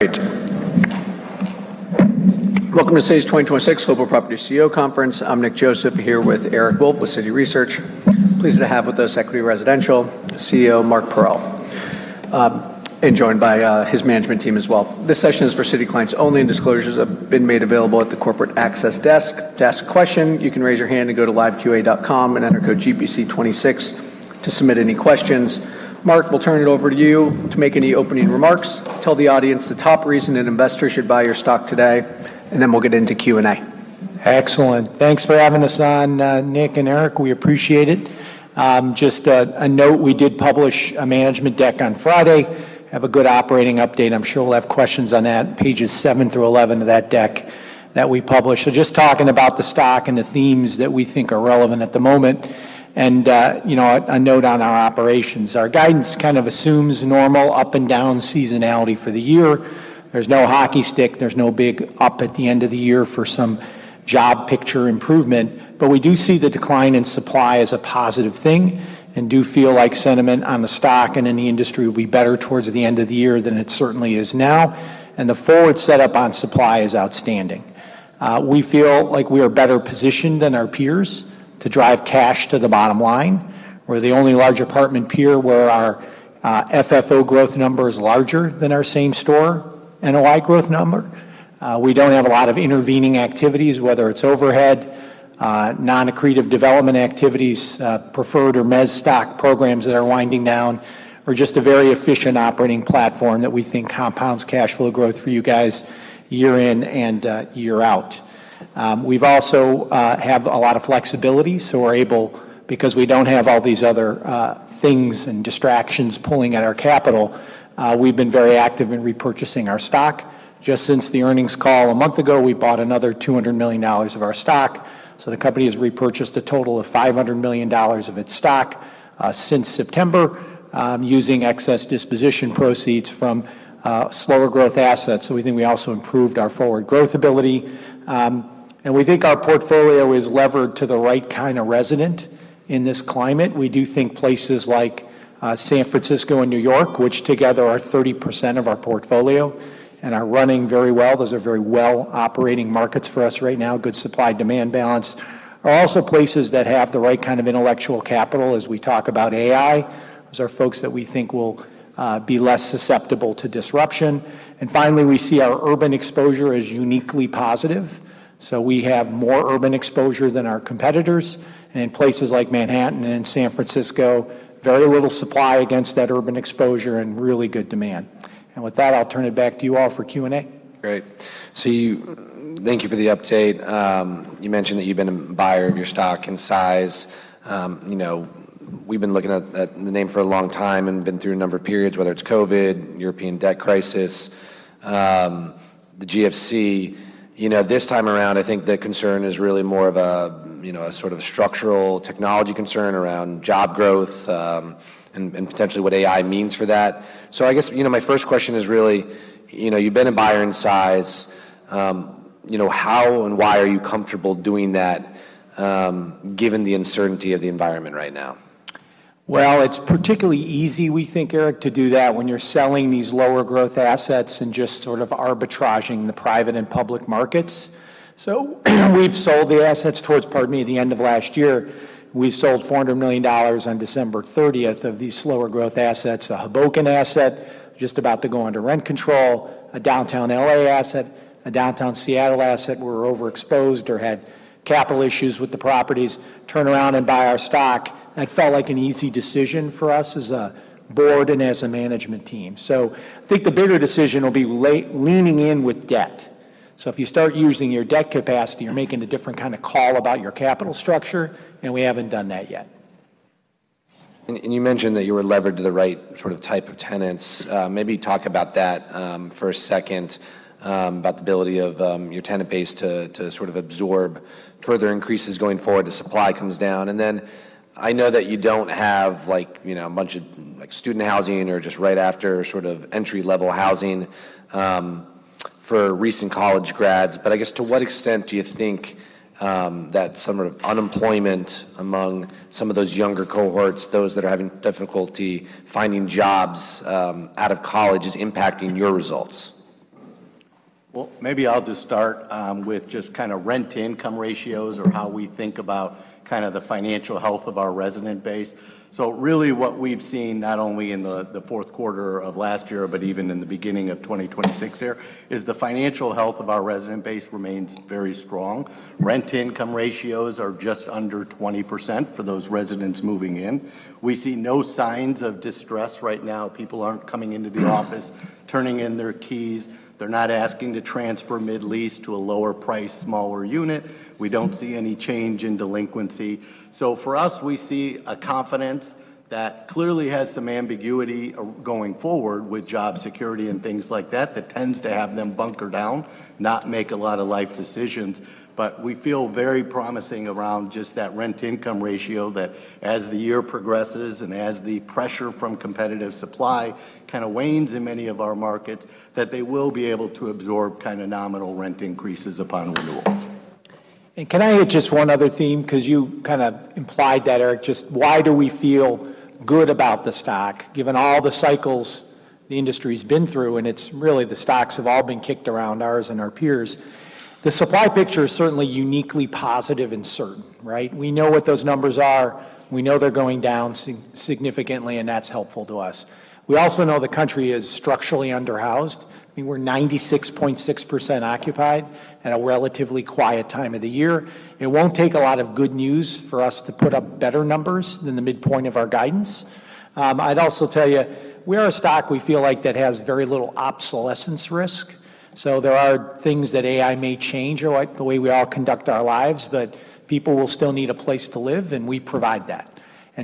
Great. Welcome to Citi's 2026 Global Property CEO Conference. I'm Nick Joseph, here with Eric Wolfe with Citi Research. Pleased to have with us Equity Residential CEO, Mark Parrell. Joined by his management team as well. This session is for Citi clients only. Disclosures have been made available at the corporate access desk. To ask a question, you can raise your hand and go to liveqa.com and enter code GBC26 to submit any questions. Mark, we'll turn it over to you to make any opening remarks. Tell the audience the top reason an investor should buy your stock today. We'll get into Q&A. Excellent. Thanks for having us on, Nick and Eric. We appreciate it. Just a note, we did publish a management deck on Friday, have a good operating update. I'm sure we'll have questions on that, pages 7 through 11 of that deck that we published. Just talking about the stock and the themes that we think are relevant at the moment and, you know, a note on our operations. Our guidance kind of assumes normal up and down seasonality for the year. There's no hockey stick. There's no big up at the end of the year for some job picture improvement. We do see the decline in supply as a positive thing and do feel like sentiment on the stock and in the industry will be better towards the end of the year than it certainly is now, and the forward setup on supply is outstanding. We feel like we are better positioned than our peers to drive cash to the bottom line. We're the only large apartment peer where our FFO growth number is larger than our Same-Store NOI growth number. We don't have a lot of intervening activities, whether it's overhead, non-accretive development activities, preferred or mezzanine stock programs that are winding down. We're just a very efficient operating platform that we think compounds cash flow growth for you guys year in and year out. We've also have a lot of flexibility, so we're able. Because we don't have all these other things and distractions pulling at our capital, we've been very active in repurchasing our stock. Just since the earnings call a month ago, we bought another $200 million of our stock. The company has repurchased a total of $500 million of its stock since September, using excess disposition proceeds from slower growth assets. We think we also improved our forward growth ability, and we think our portfolio is levered to the right kind of resident in this climate. We do think places like San Francisco and New York, which together are 30% of our portfolio and are running very well, those are very well operating markets for us right now, good supply-demand balance. Are also places that have the right kind of intellectual capital as we talk about AI. Those are folks that we think will be less susceptible to disruption. Finally, we see our urban exposure as uniquely positive, so we have more urban exposure than our competitors. In places like Manhattan and San Francisco, very little supply against that urban exposure and really good demand. With that, I'll turn it back to you all for Q&A. Great. Thank you for the update. You mentioned that you've been a buyer of your stock and size. You know, we've been looking at the name for a long time and been through a number of periods, whether it's COVID, European debt crisis, the GFC. You know, this time around, I think the concern is really more of a, you know, a sort of structural technology concern around job growth, and potentially what AI means for that. I guess, you know, my first question is really, you know, you've been a buyer in size. You know, how and why are you comfortable doing that, given the uncertainty of the environment right now? Well, it's particularly easy, we think, Eric, to do that when you're selling these lower growth assets and just sort of arbitraging the private and public markets. We've sold the assets towards, pardon me, the end of last year. We sold $400 million on December 30th of these slower growth assets. A Hoboken asset just about to go under rent control, a downtown L.A. asset, a downtown Seattle asset. We were overexposed or had capital issues with the properties, turn around and buy our stock. That felt like an easy decision for us as a board and as a management team. I think the bigger decision will be leaning in with debt. If you start using your debt capacity, you're making a different kind of call about your capital structure, and we haven't done that yet. You mentioned that you were levered to the right sort of type of tenants. Maybe talk about that for a second about the ability of your tenant base to sort of absorb further increases going forward as supply comes down. I know that you don't have like, you know, a bunch of, like, student housing or just right after sort of entry-level housing for recent college grads. I guess to what extent do you think that some of unemployment among some of those younger cohorts, those that are having difficulty finding jobs out of college is impacting your results? Well, maybe I'll just start with just kind of rent-to-income ratio or how we think about kind of the financial health of our resident base. Really what we've seen not only in the fourth quarter of last year, but even in the beginning of 2026 here, is the financial health of our resident base remains very strong. Rent-to-income ratios are just under 20% for those residents moving in. We see no signs of distress right now. People aren't coming into the office turning in their keys. They're not asking to transfer mid-lease to a lower price, smaller unit. We don't see any change in delinquency. For us, we see a confidence that clearly has some ambiguity going forward with job security and things like that tends to have them bunker down, not make a lot of life decisions. We feel very promising around just that rent-to-income ratio that as the year progresses and as the pressure from competitive supply kind of wanes in many of our markets, that they will be able to absorb kind of nominal rent increases upon renewal. Can I hit just one other theme? 'Cause you kind of implied that, Eric. Just why do we feel good about the stock, given all the cycles the industry's been through? It's really the stocks have all been kicked around, ours and our peers. The supply picture is certainly uniquely positive and certain, right? We know what those numbers are. We know they're going down significantly, and that's helpful to us. We also know the country is structurally under-housed. I mean, we're 96.6% occupied at a relatively quiet time of the year. It won't take a lot of good news for us to put up better numbers than the midpoint of our guidance. I'd also tell you, we are a stock we feel like that has very little obsolescence risk. There are things that AI may change or like the way we all conduct our lives, but people will still need a place to live, and we provide that.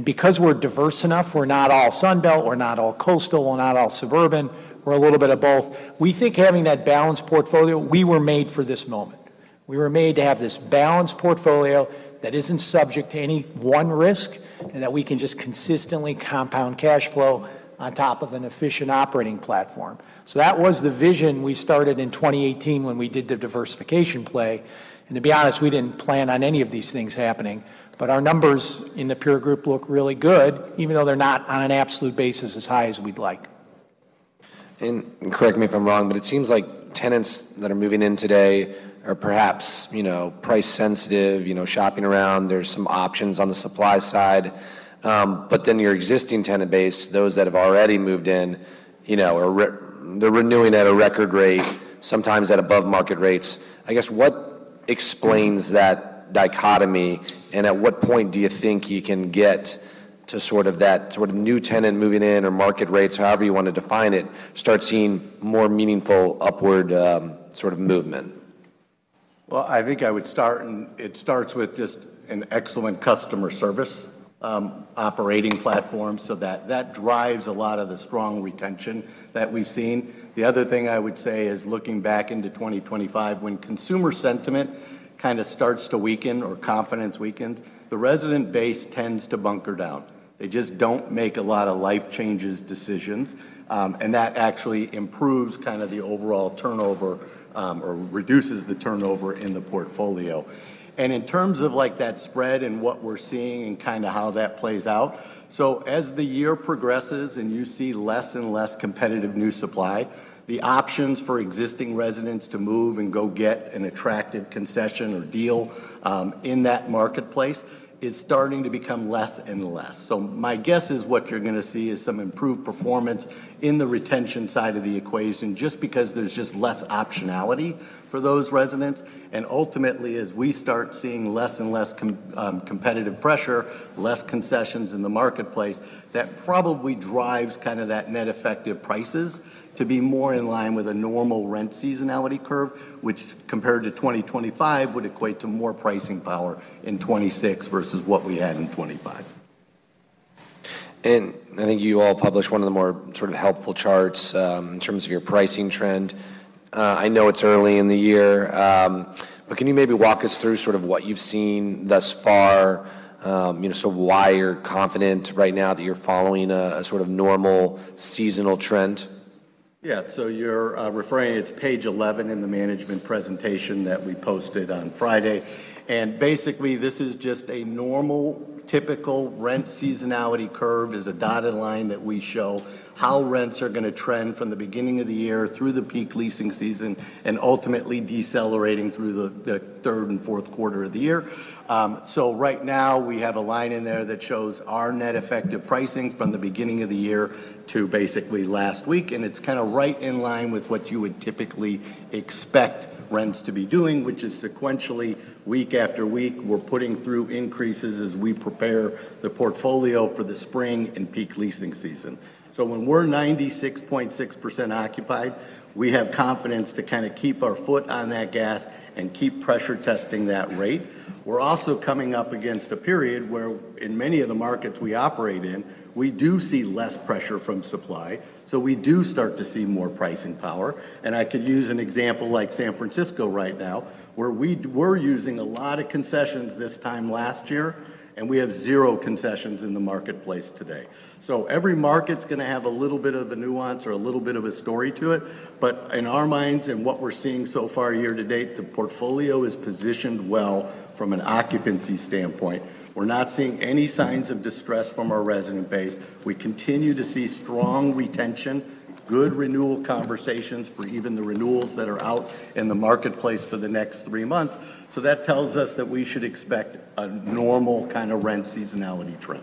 Because we're diverse enough, we're not all Sun Belt, we're not all coastal, we're not all suburban. We're a little bit of both. We think having that balanced portfolio, we were made for this moment. We were made to have this balanced portfolio that isn't subject to any one risk and that we can just consistently compound cash flow on top of an efficient operating platform. That was the vision we started in 2018 when we did the diversification play. To be honest, we didn't plan on any of these things happening. Our numbers in the peer group look really good, even though they're not on an absolute basis as high as we'd like. Correct me if I'm wrong, but it seems like tenants that are moving in today are perhaps, you know, price sensitive, you know, shopping around. There's some options on the supply side. Your existing tenant base, those that have already moved in, you know, they're renewing at a record rate, sometimes at above-market rates. I guess what explains that dichotomy, and at what point do you think you can get to sort of that sort of new tenant moving in or market rates, however you wanna define it, start seeing more meaningful upward, sort of movement? Well, I think I would start, and it starts with just an excellent customer service operating platform. That, that drives a lot of the strong retention that we've seen. The other thing I would say is looking back into 2025, when consumer sentiment kind of starts to weaken or confidence weakens, the resident base tends to bunker down. They just don't make a lot of life changes decisions, and that actually improves kind of the overall turnover or reduces the turnover in the portfolio. In terms of, like, that spread and what we're seeing and kinda how that plays out, so as the year progresses and you see less and less competitive new supply, the options for existing residents to move and go get an attractive concession or deal in that marketplace is starting to become less and less. My guess is what you're going to see is some improved performance in the retention side of the equation just because there's just less optionality for those residents. Ultimately, as we start seeing less and less competitive pressure, less concessions in the marketplace, that probably drives kind of that net effective prices to be more in line with a normal rent seasonality curve, which compared to 2025 would equate to more pricing power in 2026 versus what we had in 2025. I think you all published one of the more sort of helpful charts, in terms of your pricing trend. I know it's early in the year, can you maybe walk us through sort of what you've seen thus far, you know, sort of why you're confident right now that you're following a sort of normal seasonal trend? Yeah. You're referring, it's page 11 in the management presentation that we posted on Friday. Basically, this is just a normal typical rent seasonality curve is a dotted line that we show how rents are gonna trend from the beginning of the year through the peak leasing season and ultimately decelerating through the third and fourth quarter of the year. Right now we have a line in there that shows our net effective pricing from the beginning of the year to basically last week, and it's kinda right in line with what you would typically expect rents to be doing, which is sequentially week after week, we're putting through increases as we prepare the portfolio for the spring and peak leasing season. When we're 96.6% occupied, we have confidence to kinda keep our foot on that gas and keep pressure testing that rate. We're also coming up against a period where in many of the markets we operate in, we do see less pressure from supply, so we do start to see more pricing power. I could use an example like San Francisco right now, where we're using a lot of concessions this time last year, and we have zero concessions in the marketplace today. Every market's gonna have a little bit of a nuance or a little bit of a story to it. In our minds and what we're seeing so far year-to-date, the portfolio is positioned well from an occupancy standpoint. We're not seeing any signs of distress from our resident base. We continue to see strong retention, good renewal conversations for even the renewals that are out in the marketplace for the next three months. That tells us that we should expect a normal kind of rent seasonality trend.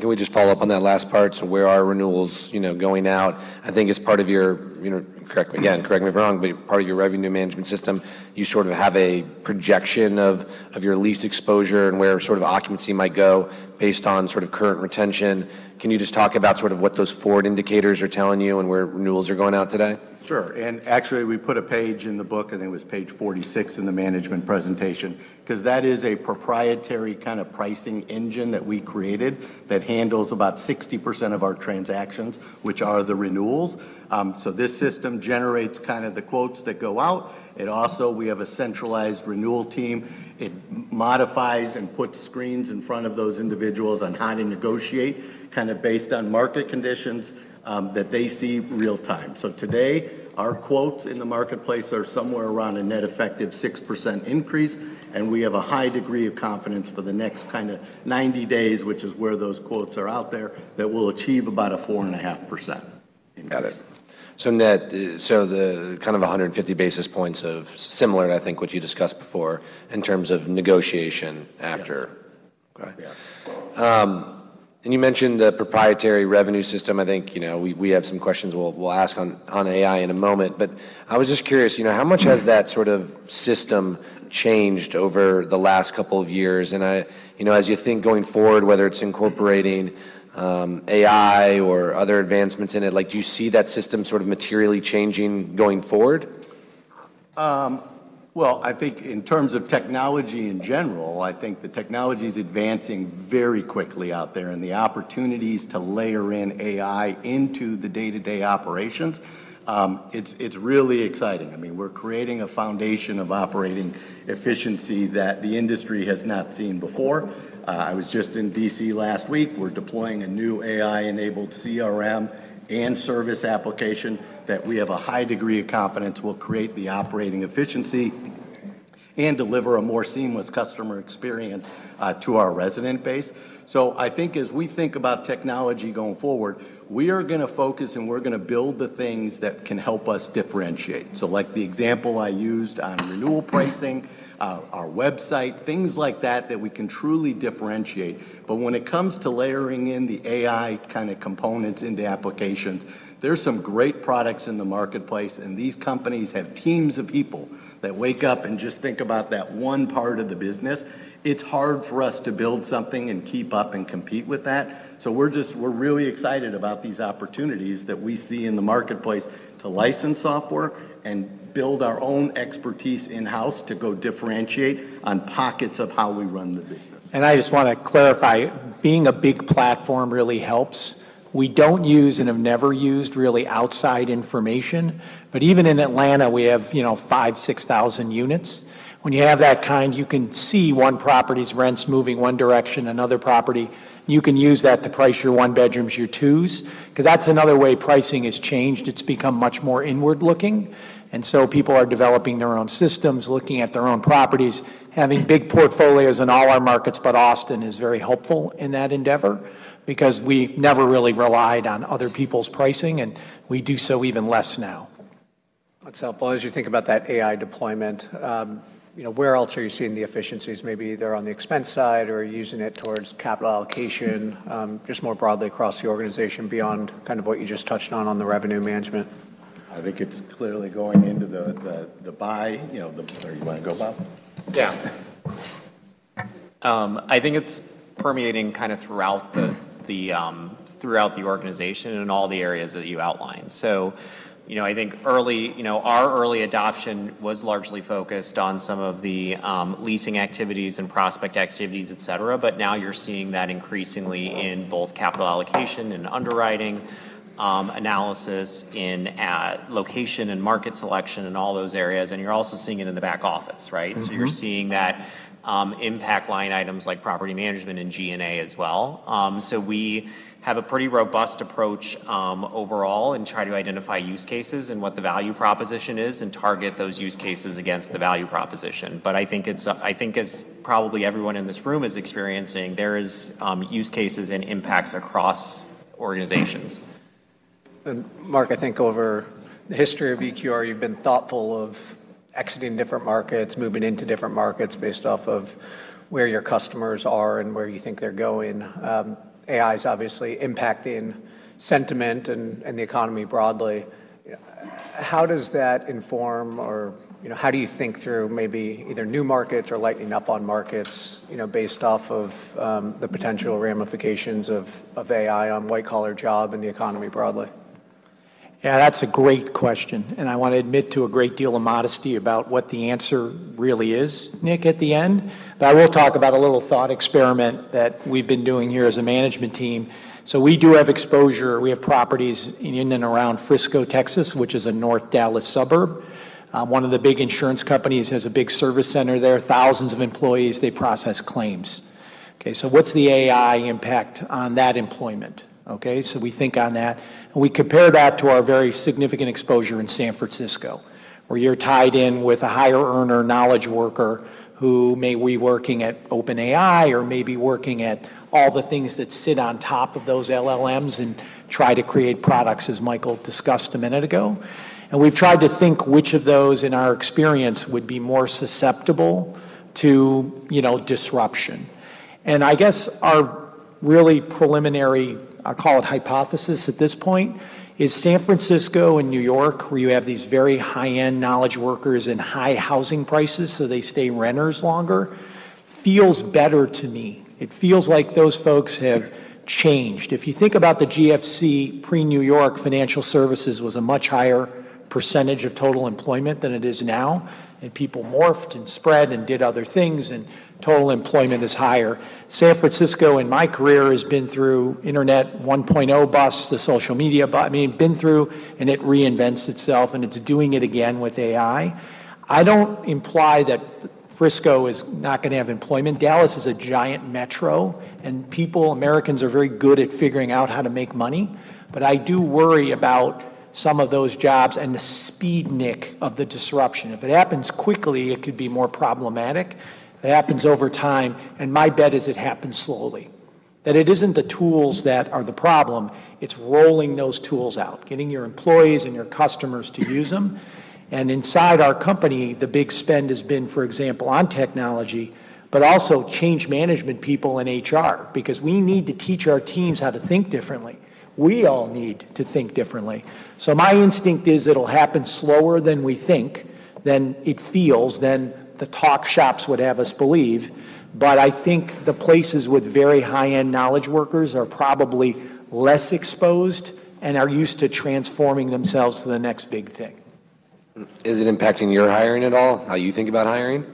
Can we just follow up on that last part? Where are renewals, you know, going out? I think as part of your, you know, Again, correct me if I'm wrong, but part of your revenue management system, you sort of have a projection of your lease exposure and where sort of occupancy might go based on sort of current retention. Can you just talk about sort of what those forward indicators are telling you and where renewals are going out today? Sure. Actually, we put a page in the book, I think it was page 46 in the management presentation, 'cause that is a proprietary kind of pricing engine that we created that handles about 60% of our transactions, which are the renewals. This system generates kind of the quotes that go out. It also. We have a centralized renewal team. It modifies and puts screens in front of those individuals on how to negotiate kind of based on market conditions, that they see real time. Today, our quotes in the marketplace are somewhere around a net effective 6% increase, and we have a high degree of confidence for the next kinda 90 days, which is where those quotes are out there, that we'll achieve about a 4.5% increase. Got it. net, so the kind of 150 basis points of similar, I think what you discussed before in terms of negotiation after. Yes. Okay. Yeah. You mentioned the proprietary revenue system. I think, you know, we have some questions we'll ask on AI in a moment, but I was just curious, you know, how much has that sort of system changed over the last couple of years? You know, as you think going forward, whether it's incorporating, AI or other advancements in it, like, do you see that system sort of materially changing going forward? Well, I think in terms of technology in general, I think the technology's advancing very quickly out there, and the opportunities to layer in AI into the day-to-day operations, it's really exciting. I mean, we're creating a foundation of operating efficiency that the industry has not seen before. I was just in D.C. last week. We're deploying a new AI-enabled CRM and service application that we have a high degree of confidence will create the operating efficiency and deliver a more seamless customer experience to our resident base. I think as we think about technology going forward, we are gonna focus, and we're gonna build the things that can help us differentiate. Like the example I used on renewal pricing, our website, things like that that we can truly differentiate. When it comes to layering in the AI kind of components into applications, there's some great products in the marketplace, and these companies have teams of people that wake up and just think about that one part of the business. It's hard for us to build something and keep up and compete with that. We're really excited about these opportunities that we see in the marketplace to license software and build our own expertise in-house to go differentiate on pockets of how we run the business. I just wanna clarify, being a big platform really helps. We don't use and have never used really outside information. Even in Atlanta, we have, you know, 5,000, 6,000 units. When you have that kind, you can see one property's rents moving one direction, another property. You can use that to price your one-bedrooms, your twos, 'cause that's another way pricing has changed. It's become much more inward-looking. So people are developing their own systems, looking at their own properties. Having big portfolios in all our markets but Austin is very helpful in that endeavor because we never really relied on other people's pricing, and we do so even less now. That's helpful. As you think about that AI deployment, you know, where else are you seeing the efficiencies? Maybe either on the expense side or using it towards capital allocation, just more broadly across the organization beyond kind of what you just touched on on the revenue management. I think it's clearly going into the buy, you know, the... You wanna go, Bob? Yeah. I think it's permeating kind of throughout the organization in all the areas that you outlined. You know, I think early, you know, our early adoption was largely focused on some of the leasing activities and prospect activities, etc., but now you're seeing that increasingly in both capital allocation and underwriting analysis in location and market selection and all those areas, and you're also seeing it in the back office, right? Mm-hmm. You're seeing that impact line items like property management and G&A as well. We have a pretty robust approach overall and try to identify use cases and what the value proposition is and target those use cases against the value proposition. I think it's, I think as probably everyone in this room is experiencing, there is use cases and impacts across organizations. Mark, I think over the history of EQR, you've been thoughtful of exiting different markets, moving into different markets based off of where your customers are and where you think they're going. AI's obviously impacting sentiment and the economy broadly. How does that inform or, you know, how do you think through maybe either new markets or lightening up on markets, you know, based off of the potential ramifications of AI on white-collar job and the economy broadly? Yeah, that's a great question. I want to admit to a great deal of modesty about what the answer really is, Nick, at the end. I will talk about a little thought experiment that we've been doing here as a management team. We do have exposure. We have properties in and around Frisco, Texas, which is a North Dallas suburb. One of the big insurance companies has a big service center there, thousands of employees. They process claims. Okay, what's the AI impact on that employment? We think on that, and we compare that to our very significant exposure in San Francisco, where you're tied in with a higher earner knowledge worker who may be working at OpenAI or may be working at all the things that sit on top of those LLMs and try to create products, as Michael discussed a minute ago. We've tried to think which of those in our experience would be more susceptible to, you know, disruption. I guess our really preliminary, I call it hypothesis at this point, is San Francisco and New York, where you have these very high-end knowledge workers and high housing prices, so they stay renters longer. Feels better to me. It feels like those folks have changed. If you think about the GFC pre-New York, financial services was a much higher percentage of total employment than it is now, and people morphed and spread and did other things, and total employment is higher. San Francisco in my career has been through Internet 1.0 bust to social media bust. I mean, been through and it reinvents itself, and it's doing it again with AI. I don't imply that Frisco is not gonna have employment. Dallas is a giant metro, Americans are very good at figuring out how to make money. I do worry about some of those jobs and the speed, Nick, of the disruption. If it happens quickly, it could be more problematic. If it happens over time. My bet is it happens slowly. That it isn't the tools that are the problem, it's rolling those tools out, getting your employees and your customers to use them. Inside our company, the big spend has been, for example, on technology, but also change management people in HR because we need to teach our teams how to think differently. We all need to think differently. My instinct is it'll happen slower than we think, than it feels, than the talk shops would have us believe. I think the places with very high-end knowledge workers are probably less exposed and are used to transforming themselves to the next big thing. Is it impacting your hiring at all? How you think about hiring?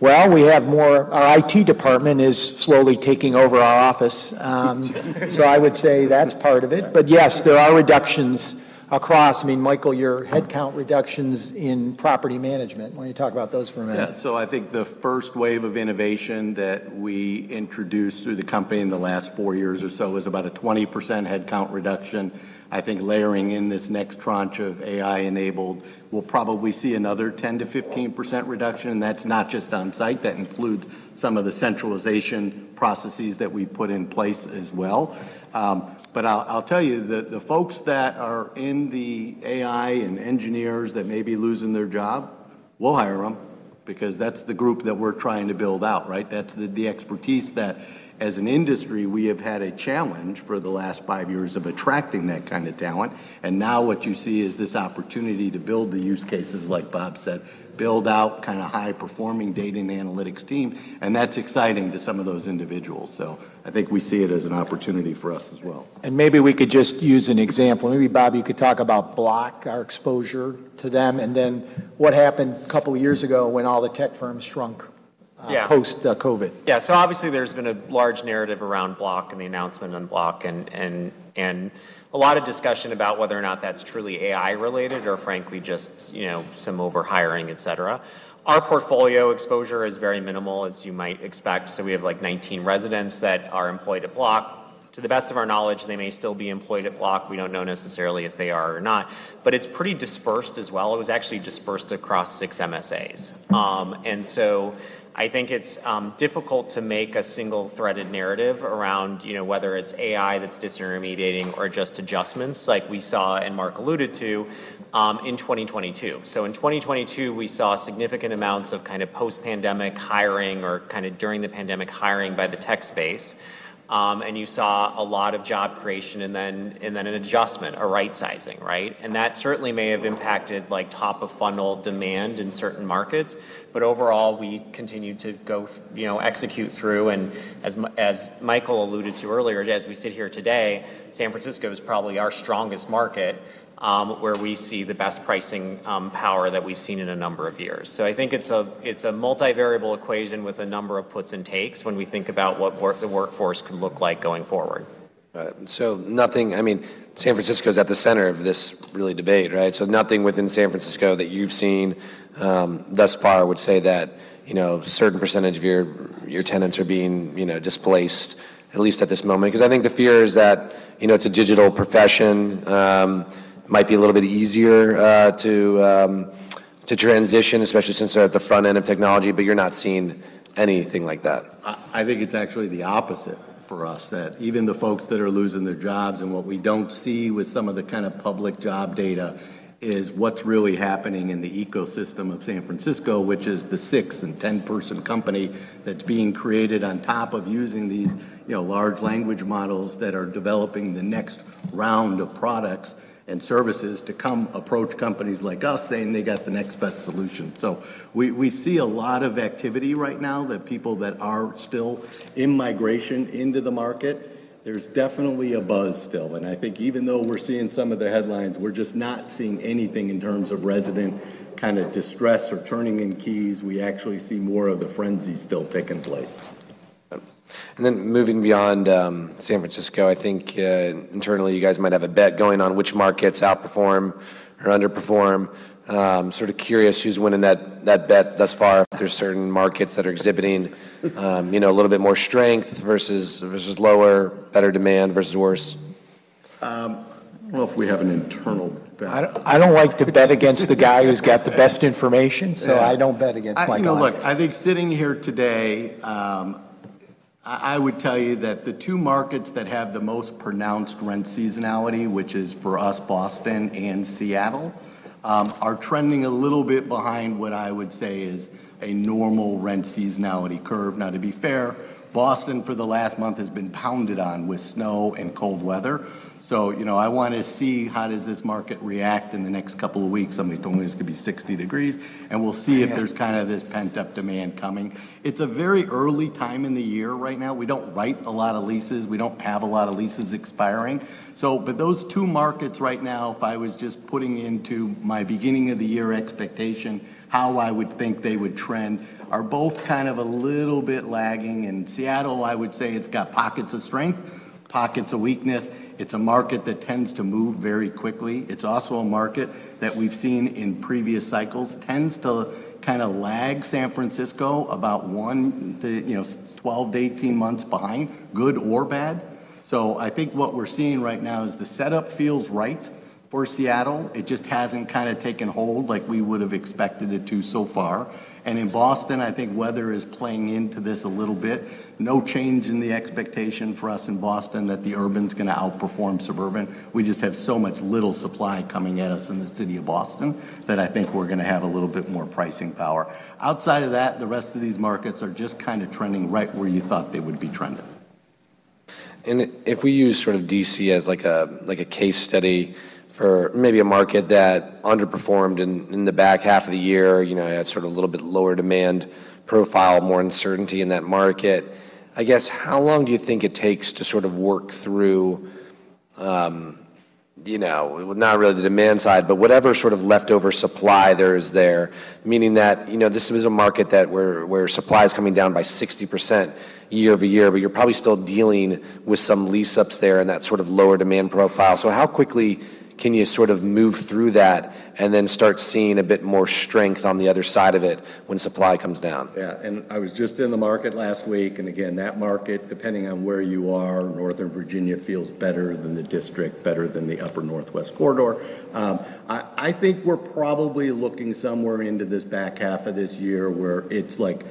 Well, our IT department is slowly taking over our office. I would say that's part of it. Yes, there are reductions across. I mean, Michael, your headcount reductions in property management. Why don't you talk about those for a minute? Yeah. I think the first wave of innovation that we introduced through the company in the last four years or so was about a 20% headcount reduction. I think layering in this next tranche of AI-enabled, we'll probably see another 10%-15% reduction, and that's not just on-site. That includes some of the centralization processes that we put in place as well. I'll tell you, the folks that are in the AI and engineers that may be losing their job, we'll hire them because that's the group that we're trying to build out, right? That's the expertise that as an industry we have had a challenge for the last five years of attracting that kind of talent. Now what you see is this opportunity to build the use cases, like Bob said, build out kinda high-performing data and analytics team. That's exciting to some of those individuals. I think we see it as an opportunity for us as well. Maybe we could just use an example. Maybe Bob, you could talk about Block, our exposure to them, and then what happened a couple years ago when all the tech firms shrunk- Yeah... post COVID. Obviously there's been a large narrative around Block and the announcement on Block and a lot of discussion about whether or not that's truly AI related or frankly just, you know, some over-hiring, et cetera. Our portfolio exposure is very minimal, as you might expect. We have like 19 residents that are employed at Block. To the best of our knowledge, they may still be employed at Block. We don't know necessarily if they are or not. It's pretty dispersed as well. It was actually dispersed across 6 MSAs. I think it's difficult to make a single-threaded narrative around, you know, whether it's AI that's disintermediating or just adjustments like we saw and Mark alluded to in 2022. In 2022, we saw significant amounts of kind of post-pandemic hiring or kind of during the pandemic hiring by the tech space. You saw a lot of job creation and then an adjustment, a right-sizing, right? That certainly may have impacted like top-of-funnel demand in certain markets. Overall, we continued to go, you know, execute through. As Michael alluded to earlier, as we sit here today, San Francisco is probably our strongest market, where we see the best pricing power that we've seen in a number of years. I think it's a, it's a multivariable equation with a number of puts and takes when we think about what the workforce could look like going forward. I mean, San Francisco's at the center of this really debate, right? Nothing within San Francisco that you've seen, thus far would say that, you know, a certain percentage of your tenants are being, you know, displaced, at least at this moment. 'Cause I think the fear is that, you know, it's a digital profession. Might be a little bit easier to transition, especially since they're at the front end of technology, you're not seeing anything like that. I think it's actually the opposite for us, that even the folks that are losing their jobs, and what we don't see with some of the kinda public job data, is what's really happening in the ecosystem of San Francisco, which is the 6 and 10-person company that's being created on top of using these, you know, large language models that are developing the next round of products and services to come approach companies like us saying they got the next best solution. We see a lot of activity right now that people that are still in migration into the market. There's definitely a buzz still, and I think even though we're seeing some of the headlines, we're just not seeing anything in terms of resident kinda distress or turning in keys. We actually see more of the frenzy still taking place. Moving beyond San Francisco, I think internally you guys might have a bet going on which markets outperform or underperform. Sort of curious who's winning that bet thus far if there's certain markets that are exhibiting, you know, a little bit more strength versus lower, better demand versus worse? Well, if we have an internal bet. I don't like to bet against the guy who's got the best information. Yeah. I don't bet against my guy. I think, look, I think sitting here today, I would tell you that the two markets that have the most pronounced rent seasonality, which is for us Boston and Seattle, are trending a little bit behind what I would say is a normal rent seasonality curve. To be fair, Boston for the last month has been pounded on with snow and cold weather. You know, I want to see how does this market react in the next couple of weeks. Somebody told me it's going to be 60 degrees, and we'll see if there's kind of this pent-up demand coming. It's a very early time in the year right now. We don't write a lot of leases. We don't have a lot of leases expiring. But those two markets right now, if I was just putting into my beginning of the year expectation, how I would think they would trend, are both kind of a little bit lagging. Seattle, I would say it's got pockets of strength, pockets of weakness. It's a market that tends to move very quickly. It's also a market that we've seen in previous cycles tends to kind of lag San Francisco about one to, you know, 12-18 months behind, good or bad. I think what we're seeing right now is the setup feels right for Seattle. It just hasn't kind of taken hold like we would have expected it to so far. In Boston, I think weather is playing into this a little bit. No change in the expectation for us in Boston that the urban is going to outperform suburban. We just have so much little supply coming at us in the city of Boston that I think we're going to have a little bit more pricing power. Outside of that, the rest of these markets are just kind of trending right where you thought they would be trending. If we use sort of D.C. as like a case study for maybe a market that underperformed in the back half of the year, you know, had sort of a little bit lower demand profile, more uncertainty in that market, I guess how long do you think it takes to sort of work through, you know, not really the demand side, but whatever sort of leftover supply there is there, meaning that, you know, this is a market that where supply is coming down by 60% year-over-year, but you're probably still dealing with some lease-ups there and that sort of lower demand profile? How quickly can you sort of move through that and then start seeing a bit more strength on the other side of it when supply comes down? Yeah. I was just in the market last week. Again, that market, depending on where you are, Northern Virginia feels better than the District, better than the Upper Northwest Corridor. I think we're probably looking somewhere into this back half of this year where it's like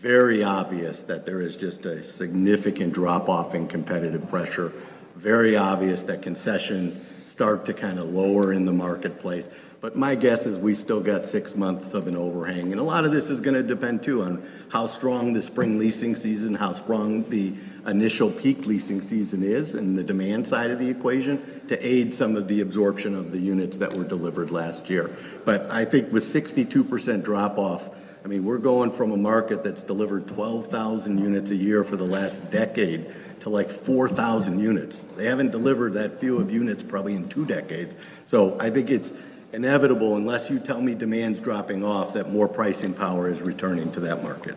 very obvious that there is just a significant drop-off in competitive pressure, very obvious that concession start to kind of lower in the marketplace. My guess is we still got six months of an overhang. A lot of this is going to depend too on how strong the spring leasing season, how strong the initial peak leasing season is and the demand side of the equation to aid some of the absorption of the units that were delivered last year. I think with 62% drop-off, I mean, we're going from a market that's delivered 12,000 units a year for the last decade to like 4,000 units. They haven't delivered that few of units probably in two decades. I think it's inevitable unless you tell me demand's dropping off that more pricing power is returning to that market.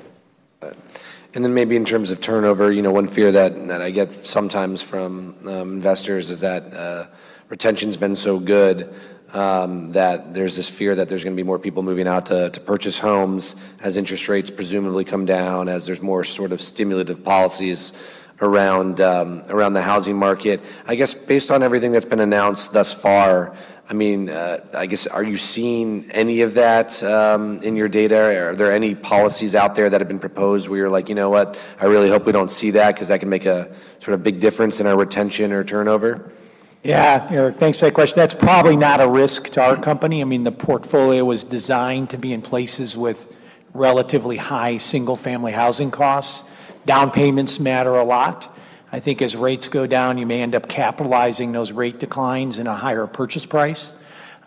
Maybe in terms of turnover, you know, one fear that I get sometimes from investors is that retention's been so good that there's this fear that there's going to be more people moving out to purchase homes as interest rates presumably come down, as there's more sort of stimulative policies around the housing market. I guess based on everything that's been announced thus far, I mean, I guess are you seeing any of that in your data? Are there any policies out there that have been proposed where you're like, you know what, I really hope we don't see that because that can make a sort of big difference in our retention or turnover? Yeah. Thanks for that question. That's probably not a risk to our company. I mean, the portfolio was designed to be in places with relatively high single-family housing costs. Down payments matter a lot. I think as rates go down, you may end up capitalizing those rate declines in a higher purchase price.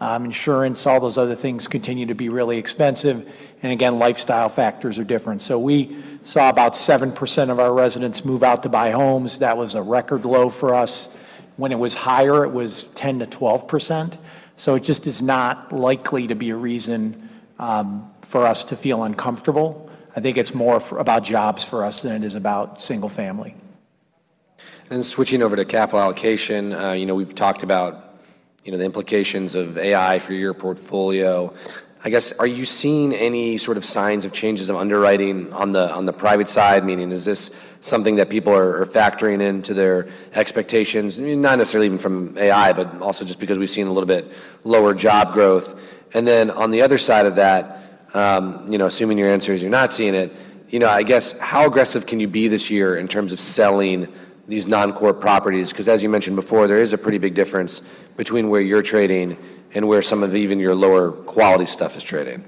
Insurance, all those other things continue to be really expensive. Again, lifestyle factors are different. We saw about 7% of our residents move out to buy homes. That was a record low for us. When it was higher, it was 10%-12%. It just is not likely to be a reason for us to feel uncomfortable. I think it's more about jobs for us than it is about single family. Switching over to capital allocation, you know, we've talked about, you know, the implications of AI for your portfolio. I guess, are you seeing any sort of signs of changes of underwriting on the private side? Meaning, is this something that people are factoring into their expectations? Not necessarily even from AI, but also just because we've seen a little bit lower job growth. On the other side of that, you know, assuming your answer is you're not seeing it, you know, I guess how aggressive can you be this year in terms of selling these non-core properties? As you mentioned before, there is a pretty big difference between where you're trading and where some of even your lower quality stuff is trading.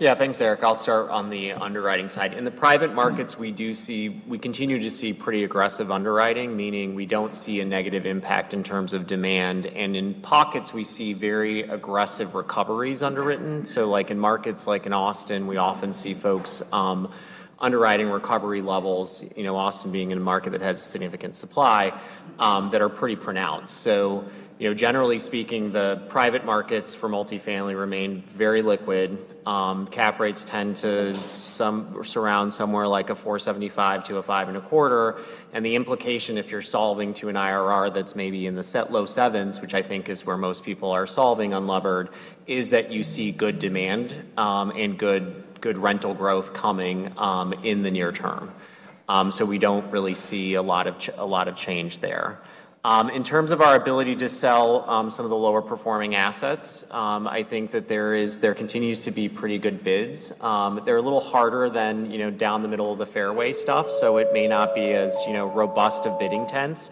Yeah. Thanks, Eric. I'll start on the underwriting side. In the private markets, we do see, we continue to see pretty aggressive underwriting, meaning we don't see a negative impact in terms of demand. In pockets, we see very aggressive recoveries underwritten. Like in markets like in Austin, we often see folks underwriting recovery levels, you know, Austin being in a market that has significant supply that are pretty pronounced. Generally speaking, the private markets for multifamily remain very liquid. Cap rates tend to surround somewhere like a 4.75%-5.25%. The implication if you're solving to an IRR that's maybe in the low sevens, which I think is where most people are solving on levered, is that you see good demand and good rental growth coming in the near term. We don't really see a lot of change there. In terms of our ability to sell some of the lower performing assets, I think that there continues to be pretty good bids. They're a little harder than, you know, down the middle of the fairway stuff. It may not be as, you know, robust a bidding tense,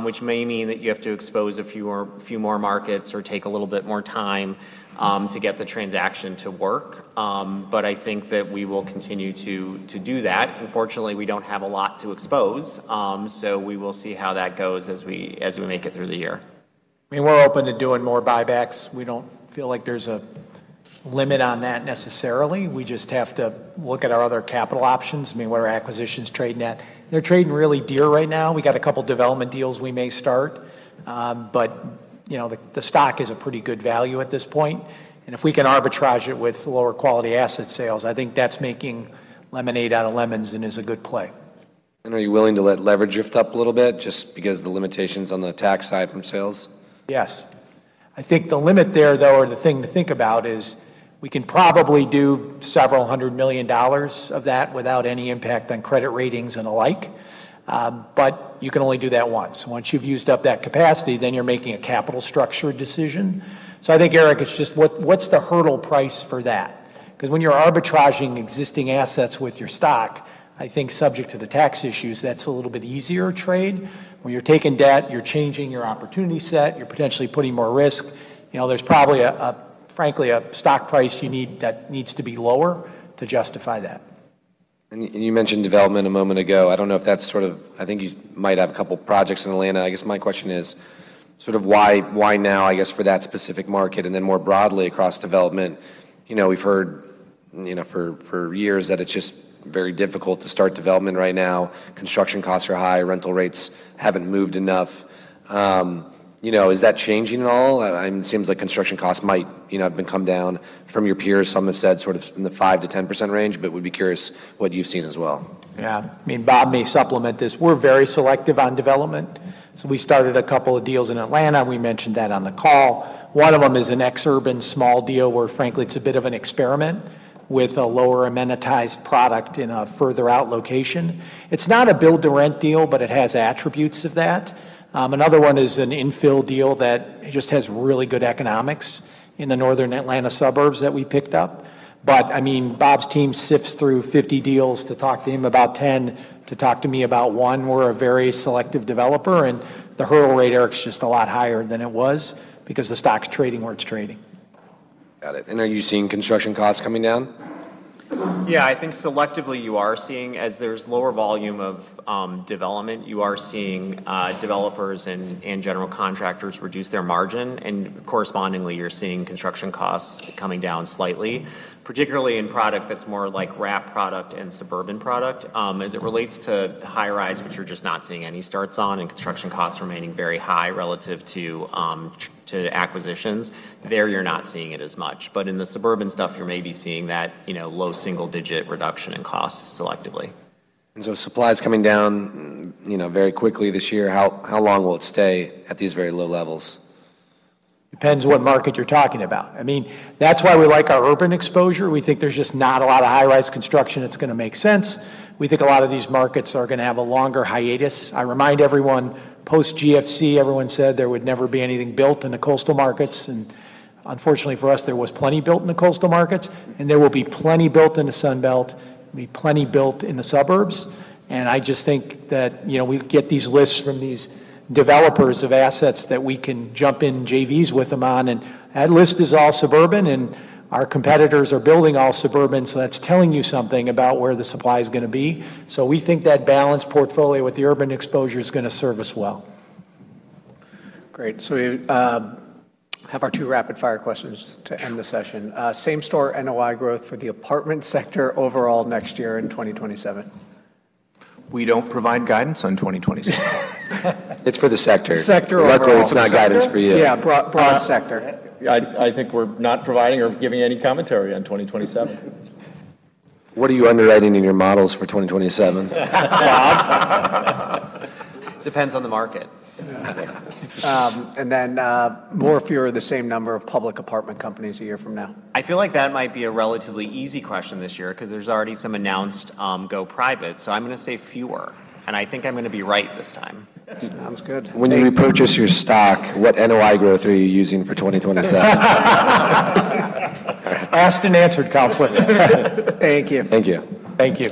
which may mean that you have to expose a few more markets or take a little bit more time to get the transaction to work. I think that we will continue to do that. Unfortunately, we don't have a lot to expose. We will see how that goes as we make it through the year. I mean, we're open to doing more buybacks. We don't feel like there's a limit on that necessarily. We just have to look at our other capital options. I mean, what our acquisition's trading at. They're trading really dear right now. We got a couple development deals we may start. You know, the stock is a pretty good value at this point. If we can arbitrage it with lower quality asset sales, I think that's making lemonade out of lemons and is a good play. Are you willing to let leverage lift up a little bit just because of the limitations on the tax side from sales? Yes. I think the limit there though, or the thing to think about is we can probably do several hundred million dollars of that without any impact on credit ratings and the like. You can only do that once. Once you've used up that capacity, then you're making a capital structure decision. I think, Eric, it's just what's the hurdle price for that? 'Cause when you're arbitraging existing assets with your stock, I think subject to the tax issues, that's a little bit easier trade. When you're taking debt, you're changing your opportunity set, you're potentially putting more risk. You know, there's probably a frankly a stock price you need, that needs to be lower to justify that. You mentioned development a moment ago. I don't know if that's sort of... I think you might have a couple projects in Atlanta. I guess my question is sort of why now, I guess, for that specific market? Then more broadly across development, you know, we've heard, you know, for years that it's just very difficult to start development right now. Construction costs are high, rental rates haven't moved enough. You know, is that changing at all? I mean, it seems like construction costs might, you know, have been come down. From your peers, some have said sort of in the 5%-10% range, but would be curious what you've seen as well. Yeah. I mean, Bob may supplement this. We're very selective on development. We started a couple of deals in Atlanta. We mentioned that on the call. One of them is an ex-urban small deal where frankly it's a bit of an experiment with a lower amenitized product in a further out location. It's not a build to rent deal, but it has attributes of that. Another one is an infill deal that just has really good economics in the northern Atlanta suburbs that we picked up. I mean, Bob's team sifts through 50 deals to talk to him about 10, to talk to me about one. We're a very selective developer, and the hurdle rate, Eric, is just a lot higher than it was because the stock's trading where it's trading. Got it. Are you seeing construction costs coming down? Yeah. I think selectively you are seeing, as there's lower volume of development, you are seeing developers and general contractors reduce their margin. Correspondingly, you're seeing construction costs coming down slightly, particularly in product that's more like wrap product and suburban product. As it relates to high rise, which you're just not seeing any starts on and construction costs remaining very high relative to acquisitions, there you're not seeing it as much. In the suburban stuff you're maybe seeing that, you know, low single-digit reduction in costs selectively. Supply's coming down, you know, very quickly this year. How long will it stay at these very low levels? Depends what market you're talking about. I mean, that's why we like our urban exposure. We think there's just not a lot of high rise construction that's gonna make sense. We think a lot of these markets are gonna have a longer hiatus. I remind everyone, post GFC, everyone said there would never be anything built in the coastal markets, unfortunately for us, there was plenty built in the coastal markets. There will be plenty built in the Sun Belt, there'll be plenty built in the suburbs. I just think that, you know, we get these lists from these developers of assets that we can jump in JVs with them on, and that list is all suburban, and our competitors are building all suburban, so that's telling you something about where the supply's gonna be. we think that balanced portfolio with the urban exposure's gonna serve us well. Great. We have our 2 rapid fire questions to end the session. Same-Store NOI growth for the apartment sector overall next year in 2027? We don't provide guidance on 2027. It's for the sector. Sector overall. Luckily it's not guidance for you. Yeah. broad sector. I think we're not providing or giving any commentary on 2027. What are you underwriting in your models for 2027? Bob? Depends on the market. More, fewer or the same number of public apartment companies a year from now. I feel like that might be a relatively easy question this year 'cause there's already some announced, go private. I'm gonna say fewer, and I think I'm gonna be right this time. Sounds good. When you repurchase your stock, what NOI growth are you using for 2027? Asked and answered, counselor. Thank you. Thank you. Thank you.